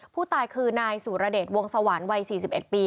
ผู้ตายคือนายสุรเดชวงสวรรค์วัย๔๑ปี